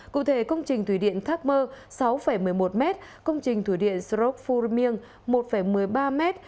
cụ thể công trình thủy điện thác mơ sáu một mươi một mét công trình thủy điện srok phu rinh miêng một một mươi ba mét